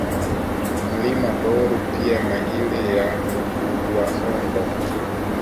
Mlima Boru pia na ile ya Bugulwahombo